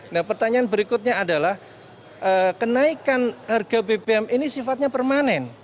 nah pertanyaan berikutnya adalah kenaikan harga bbm ini sifatnya permanen